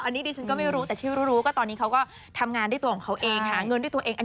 อันนี้ดิฉันก็ไม่รู้แต่ที่รู้ก็ตอนนี้เขาก็ทำงานด้วยตัวของเขาเองหาเงินด้วยตัวเอง